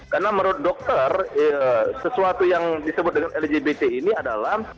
karena menurut dokter sesuatu yang disebut dengan lgbt ini adalah